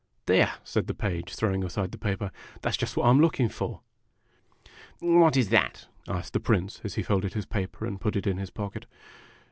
"There!' said the Page, throwing aside the paper. "That 's just what I 'm looking for !"" What is that? " asked the Prince, as he folded his paper and put it in his pocket.